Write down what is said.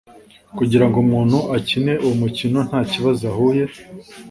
kugira ngo umuntu akine uwo mukino nta kibazo ahuye